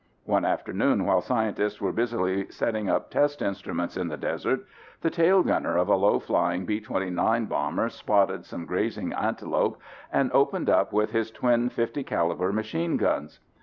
One afternoon while scientists were busily setting up test instruments in the desert, the tail gunner of a low flying B 29 bomber spotted some grazing antelopes and opened up with his twin.50 caliber machine guns.